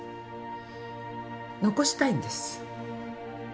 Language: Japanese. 残したいんです。